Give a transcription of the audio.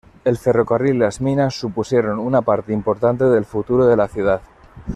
El ferrocarril y las minas supusieron una parte importante del futuro de la ciudad.